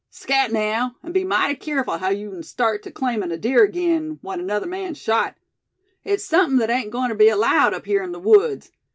Scat naow! an' be mighty keerful haow yeou start tew claimin' a deer agin, what another man shot. It's sumpin that ain't goin' ter be allowed up here in the woods.